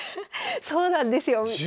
そうなんですよ。